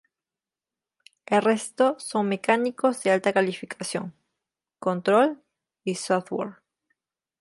El resto son mecánicos de alta cualificación, control y software.